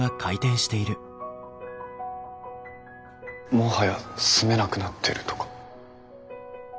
もはや住めなくなってるとか。